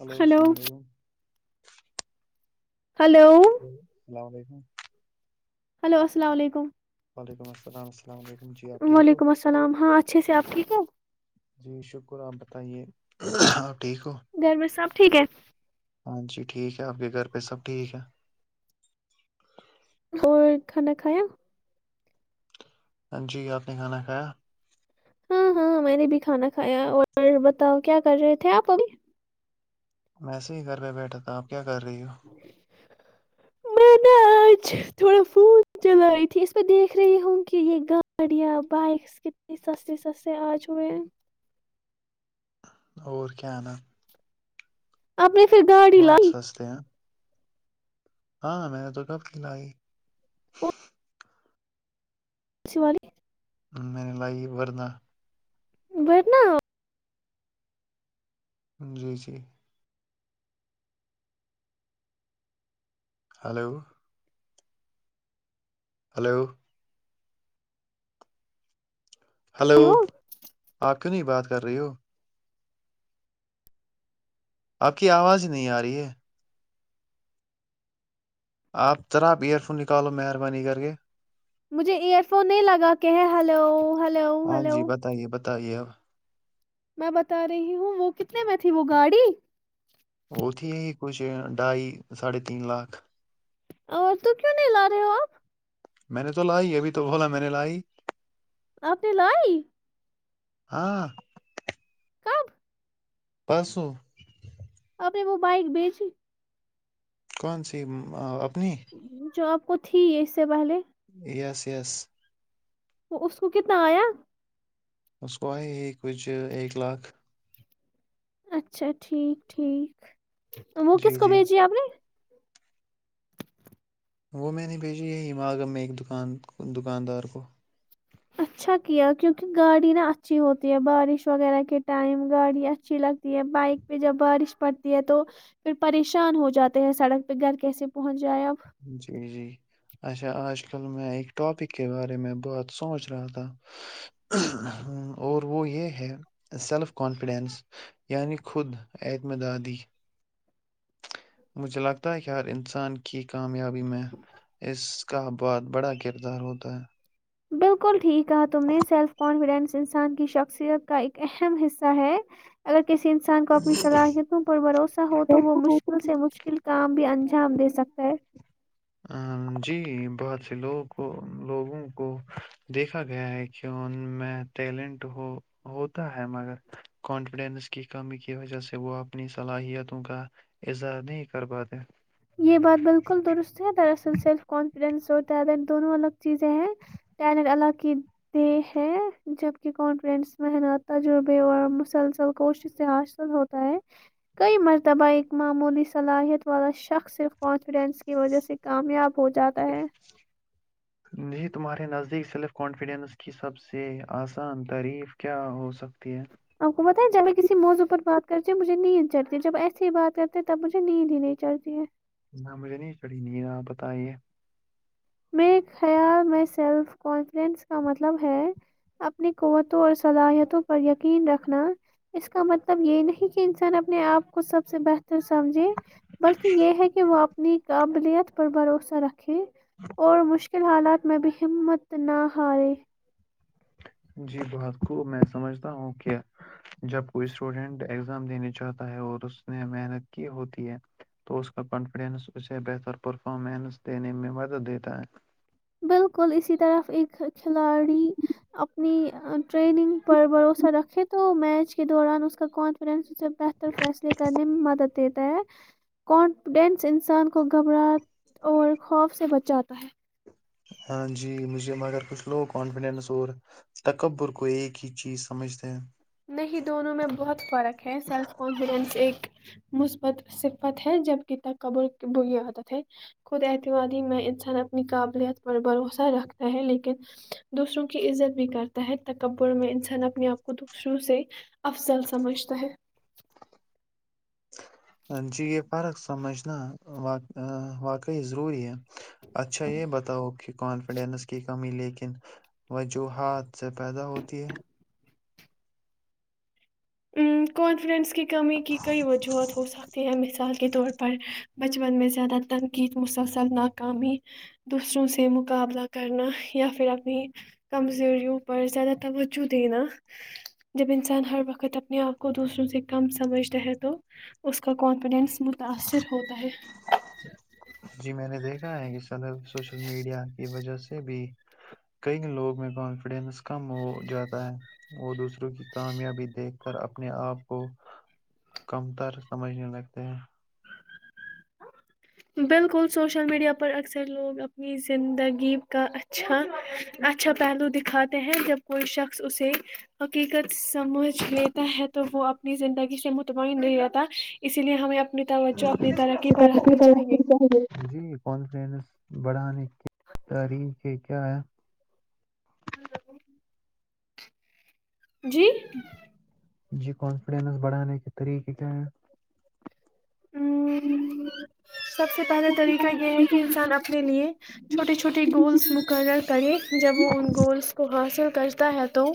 Hello السلام علیکم hello السلام علیکم ہلو السلام علیکم وعلیکم السلام السلام علیکم جی آپ ٹھیک ہو وعلیکم السلام ہاں اچھے سے آپ ٹھیک ہو جی شکر آپ بتائیے آپ ٹھیک ہو گھر میں سب ٹھیک ہے ہاں جی ٹھیک ہے آپ کے گھر پہ سب ٹھیک ہے اور کھانا کھایا جی آپ نے کھانا کھایا ہاں ہاں میں نے بھی کھانا کھایا اور بتاؤ کیا کر رہے تھے آپ ابھی ویسے ہی گھر پہ بیٹھا تھا آپ کیا کر رہی ہو میں نےا آج تھوڑا فون چلائی تھی اس دیکھ رہی ہوں کہ یہ گاڑیاں بائکس کتنی ستے سستے آج ہوئے اور کیا نام اپنے بہت سستے ہیں ہاں میں نے تو کب کلاائی س والی میں نے لائی ورنہ بٹ ن جی جی ہلو ہلو ہلو وہ آپ کیوں نہیں بات کریو آپ کی آواز نہیں آ رہی ہے آپ ذرا آپ ایئر فون نکالو مہربانی کر کے مجھے ایئر فون نہیں لگا کہ ہلو ہلو ہلو ہوتا یہ میں بتا رہی ہوں وہ کتنے میں تھی وہ گاڑی ا ت ہی ا ہی کچھ ڈھائی ساھے تین لاکھ اور تو کیوں نہیں لا رہے ہو آپ میں نے تو لائی ابھی تو بولا میں نے لائی آپ نے لائی ہاں کب پانسوں آپ وہ بائک بیچی کون سی اپنی جو آپ کو تھی ہے اس سے پہلے یس یس تو اس کو کتنا آیا اس کو آئے ہی کچھ ایک لاکھ اچھا ٹھیک ٹھیک وہ کس جی کو جی بھیجی ہے آپ نے وہ میں نے بھیجی یہی ماگم میں ایک دکان دکاندار کو اچھا کیا کیوںکہ گاڑی نہا اچھی ہوتی ہے بارش وغیرہ کے ٹائم گاڑی اچھی لگتی ہے بائک پہ جب بارش پڑتی ہے تو پھر پریشان ہو جاتے ہیں سڑک پہ گھر کیسے پہنچ جائے اب جی جی اچھا آج کل میں ایک ٹاپک کے بارے میں بہت سوچ رہا تھا اور وہ یہ ہے سیلف کانفیڈینس یعنی خود اعتم دادی مجھے لگتا ہے کہ ہر انسان کی کامیاب میں اس کا بعد بڑا کردار ہوتا ہے بالکل ٹھیک ہے تم نے سیلف کانفیڈینس انسان کی شخصیت کا ایک اہم حصہ ہے اگر کسی انسان کو اپنی صلاحیتوں پر بھروسہ ہو تو وہ مشکل سے مشکل کام بھی انجام دے سکتا ہے ہ جی بہت سے لوگوں کو لوگوں کو دیکھا گیا ہے کہ ان میں ٹیلنٹ ہو ہوتا ہے مگر کانفیڈینس کی کمی کی وجہ سے وہ اپنی صلاحیتوں کا اظہار نہیں کر پاتے یہ بات بالکل درست ہے دراصل سیلف کانفیڈینس اور ٹیلنٹ دونوں الگ چیزیں ہیں ٹیلنٹ اللہ کی دہ ہے جبک کانفیڈینس محنت تجربے اور مسلسل کوشش سے حاصل ہوتا ہے کئی مرتبہ ایک معمولی صلاحیت والا شخص صرف کانفیڈنس کی وجہ سے کامیاب ہو جاتا ہے جی تمہارے نزدیک سیلف کانفیڈینس کی سب سے آسان تعریف کیا ہو سکتی ہے آپ کو پت ہے جب کسی موضوع پر بات کرتی مجھے نیند چڑتی جب ایسے ہی بات کرتے ہیں تب مجھے نیند ہی نہیں چڑتی ہے نہ مجھے نہیں چڑھی نہیں ن آپ بتائیے میرے خیال میں سیلف کانفیڈنس کا مطلب ہے اپنی قوتوں اور صلاحیتوں پر یقین رکھنا اس کا مطلب یہ نہیں کہ انسان اپنے آپ کو سب سے بہتر تو سمجھے بلکہ یہ ہے کہ وہ نیک اابلیت پر بھروسہ رکھے اور مشکل حالات میں بھی ہمت نہ ہارے جی بہت خوب میں سمجھتا ہوں کہ جب کوئی اسٹوڈینٹ ایگزام دینے چاہتا ہے اور اس نے محنت کی ہوتی ہے تو اس کا کانفیڈینس اسے بہتر پرفارمنس دینے میں مدد دیتا ہے بالکل اسی طرف ایک کھلاڑی اپنی ٹریننگ پر بھروسہ رکھے تو میچ کے دوران اس کا کانفیڈینس اسے بہتر فیصلے کرنے میں مدد دیتا ہے کانفیڈینس انسان کو گھبراہٹ اور خوف سے بچاتا ہے ہاں جی مجھے اگر کچھ لو کانفیڈنس اور تکبر کو ایک ہی چیز سمجھتے ہیں نہیں دونوں میں بہت فرق ہے سیلف کانفیڈنس ایک مثبت صفت ہے جبک تکبر بری عادت ہے خود احتمادی میں انسان اپنی قابلیت پر بھروسہ رکھتا ہے لیکن دوسروں کی عزت بھی کرتا ہے تکبر میں انسان اپنے آپ کو شروع سے افضل سمجھتا ہے جی یہ فرق سمجھنا واقعی ضروری ہے اچھا یہ بتاؤ کہ کانفیڈینس کی کمی لیکن وجوہات سے پیدا ہوتی ہے ہ کانفیڈنس کی کمی کی کئی وجوہات ہو سکتی ہیں م سے مثال کے طور پر بچپن میں زیادہ تنقید مسلسل ناکامی دوسروں سے مقابلہ کرنا یا پھر اپنی کمزوریوں پر زیادہ توجہ دینا جب انسان ہر وقت اپنے آپ کو دوسروں سے کم سمجھتا ہے تو اس کا کانفیڈینس متاثر ہوتا ہے جی میں نے دیکھا ہے کہ طدح سوشل میڈیا کی وجہ سے بھی کئی لوگ میں کانفیڈینس کم ہو جاتا ہے وہ دوسروں کی کامیابی دیکھ کر اپنے آپ کو کم تر سمجھنے لگتے ہیں بالکل سوشل میڈیا پر اکثر لوگ اپنی زندگی کا اچھا اچھا پہلو دکھاتے ہیں جب کوئی شخص اسے حقیقت سمجھ لیتا ہے تو وہ اپنی زندگی سے مطمئن نہیں رہتا اسی لیے ہمیں تاب بچوں اپنی ترقی پرڑھ [unintelligible] بڑا نہیں [unintelligible] کی کیا ہے [unintelligible] جی کانفیڈینس بڑھانے کے طریقے کیا ہیں سب سے پہلاے طریقہ یہ ہے کہ انسان اپنے لیے چھوٹے چھوٹے گولس مقرر کرے جب وہ ان گولس کو حاصل کرتا ہے تو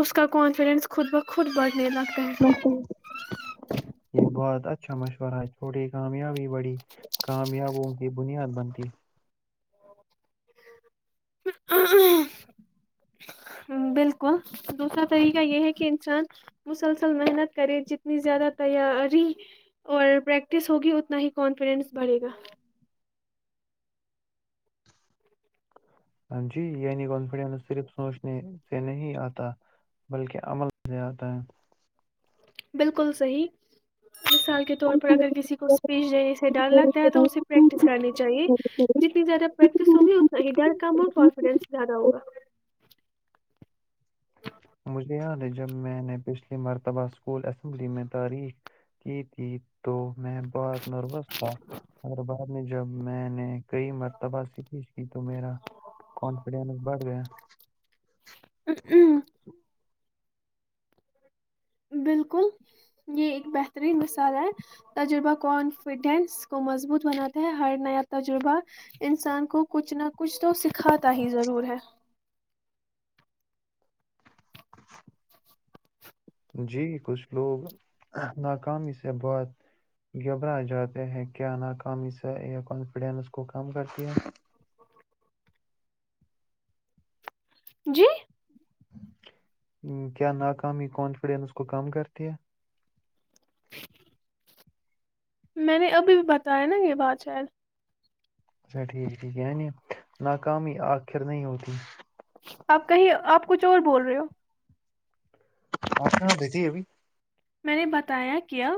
اس کا کانفیڈینس خود ب خود بڑا [unintelligible] اچھا مشورہ تھوڑی کامیابی بڑی کامیاب ہو یہ بنیاد بنتی بالکل دوسرا طریقہ یہ ہے کہ انسان مسلسل محنت کرے جتنی زیادہ تیاری اور پریکٹس ہوگی اتنا ہی کانفیڈینس بڑھے گا ہاں جی یعنی کانفیڈینس صرف سوچنے سے نہیں آتا بلکہ عمل سے آتا ہے بالکل صحی مثال کے طور پر اگر کسی کو اسپیچ د سے ڈر لگتا ہے تو اسے پریکٹس کرنی چاہیے جتنی زیادہ پریکٹس ہوگی اتنا ہی ڈر کم اور کانفیڈینس زیادہ ہوگا مجھے یاد ہے جب میں نے پچھلی مرتبہ اسکول اسمبلی میں تاریخ کی تھی تو میں بہت نروس تھا اگر بعد میں جب میں نے نے کئی مرتبہ سھیش کی تو میرا کانفیڈینس بڑھ گیا [inaudible] بالکل یہ ایک بہترین مثال ہے تجربہ کانفیڈینس کو مضبوط بناتا ہے ہر نیا تجربہ انسان کو کچھ نہ کچھ تو سکھاتا ہی ضرور ہے [inaudible] جی کچھ لوگ ناکامی سے بہت گھبرا جاتے ہیں کیا ناکامی سے کانفیڈینس کو کم کرتی ہے جی کیا ناکامی کانفیڈنس کو کم کرتی ہے میں نے ابھی بھی بتایا نا یہ بات شاید اچھا ٹھیک ہے ٹھیک ہےنی ناکامی آخر نہیں ہوتی آپ کہیں آپ کچھ اور بول رہے ہو آپ کہا۔ پے تھی ابھی میں نے بتایا کیا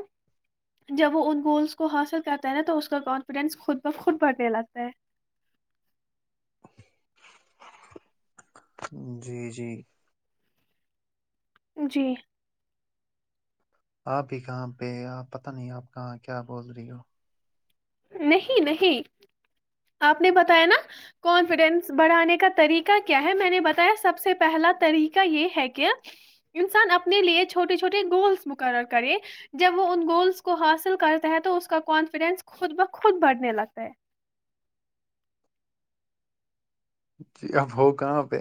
جب وہ ان گولس کو حاصل کرتا ہے نا تو اس کا کانفیڈینس خود بہ خود بہڑنے لگتا ہے جی جی جی آپ بھی کہاں پہ آپ پت نہیں آپ کہاں کیا بول رہی ہو؟ نہیں نہیں آپ نے بتایا نا کانفیڈینس بڑھانے کا طریقہ کیا ہے میں نے بتایا سب سے پہلا طریقہ یہ ہے کہ انسان اپنے لیے چھوٹے چھوٹے گولس مقرر کرے جب وہ ان گولس کو حاصل کرتا ہے تو اس کا کانفیڈینس خود ب خود بڑھنے لگتا ہے جی اب ہو کہاں پہ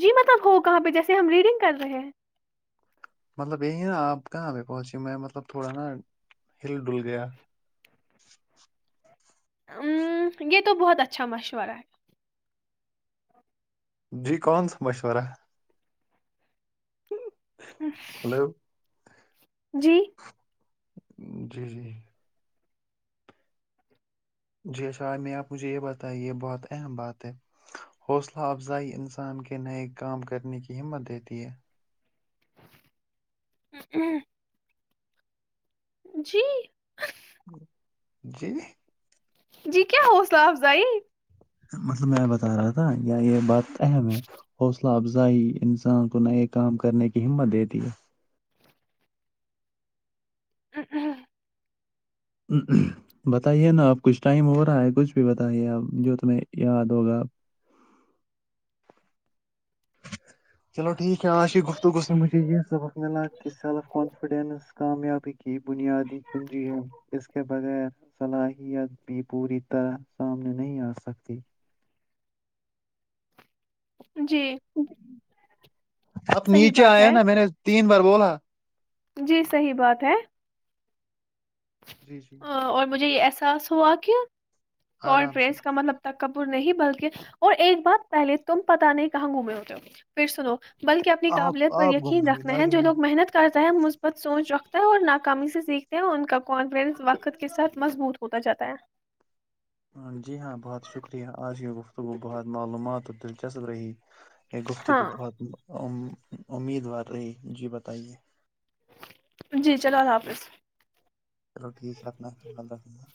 جی مطلب ہو کہاں پہ جیسے ہم ریڈنگ کر رہے ہیں مطلب یہی نا آپ کہاں پہ پہنچی میں مطلب تھوڑا نا ہل ڈل گیا ہ یہ تو بہت اچھا مشورہ ہے جی کون سا مشورہ ہہہم ہلو جی جی جی جی اشارمی آپ مجھے یہ بتائیے بہت اہم بات ہے حوصلہ افزائی انسان کے نئے کام کرنے کی ہمت دیتی ہے ہ [inaudible] جی جی جی کیا حوصلہ افزائی مطلب میں بتا رہا تھا یا یہ بات اہم ہے حوصلہ افزا انسان کو نئے کام کرنے کی ہمت دیتی ہے ہہمہہم ہ بتائیے نا اپ کچھ ٹائم ہو رہا ہے کچھ بھی بتائیے آپ جو تمہیں یاد ہوگا چلو ٹھیک ہے آاشی گفتگو سے مجھے یہ سبق ملا کہ سیلف کانفیڈنس کامیابی کی بنیادی کنجی ہے اس کےے بغیر صلاحیت بھی پوری طرح سامنے نہیں آسکتی جی آپ صحیح نیچے بات آئے ہے نا میں نے تین بار بولا جی صحیح بات ہے جی جی اساس ہوااک ک آرام سے پریس کا مطلب تک کپور نہیں بلکہ اور ایک بار پہلے تم پتا نہیں کہاں گھومے ہوتے ہو پھر سنو بلکہ اپنی آپ قابلیت پر آپ گھومے یقین ہوئے رکھنا نہ ہے کہ جو میں لوگ محنت کرتا ہے مثبت سوچ رکھ اور ناکامی سے سیکھتے ہیں ان کا کانفڈنس وقت کے ساتھ مضبوط ہوتا جاتا ہے ہ جی ہاں بہت شکریہ آ ججیؤ گ تو گ بہات معلومات اور دلچسپ رہی گفتگو ہاں بہت امیدوار رہی جی بتائیے جی چلو اللہ حافظ چلو ٹھیک ہے اپنا خ رف گار